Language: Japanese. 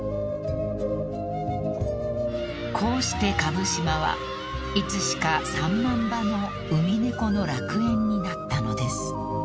［こうして蕪島はいつしか３万羽のウミネコの楽園になったのです］